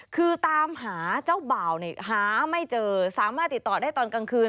คือตามหาเจ้าบ่าวเนี่ยหาไม่เจอสามารถติดต่อได้ตอนกลางคืน